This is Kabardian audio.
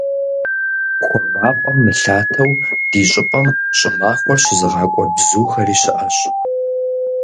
Хуабапӏэм мылъатэу ди щӏыпӏэм щӏымахуэр щызыгъакӏуэ бзухэри щыӏэщ.